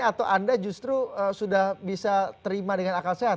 atau anda justru sudah bisa terima dengan akal sehat